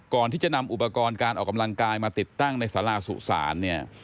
ก่อนที่จะนำอุปกรณ์การออกกำลังกายมาติดตั้งในสาราสุสานเนี่ย